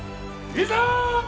いざ！